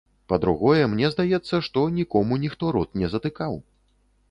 Па-другое, мне здаецца, што нікому ніхто рот не затыкаў.